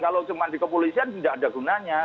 kalau cuma dikepolisian tidak ada gunanya